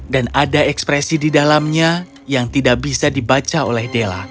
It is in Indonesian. dan ada ekspresi di dalamnya yang tidak bisa dibaca oleh della